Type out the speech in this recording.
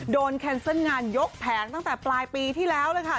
แคนเซิลงานยกแผงตั้งแต่ปลายปีที่แล้วเลยค่ะ